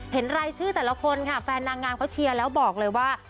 รายชื่อแต่ละคนค่ะแฟนนางงามเขาเชียร์แล้วบอกเลยว่า